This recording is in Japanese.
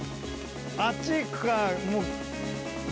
あっち行くかもう。